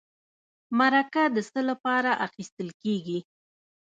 مرکه د څه لپاره اخیستل کیږي؟